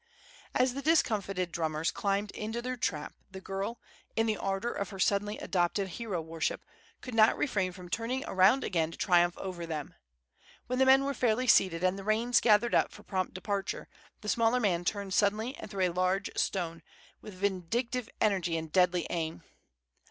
As the discomfited drummers climbed into their trap, the girl, in the ardor of her suddenly adopted hero worship, could not refrain from turning around again to triumph over them. When the men were fairly seated, and the reins gathered up for prompt departure, the smaller man turned suddenly and threw a large stone, with vindictive energy and deadly aim.